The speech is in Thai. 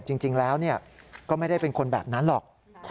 จริงแล้วก็ไม่ได้เป็นคนแบบนั้นหรอก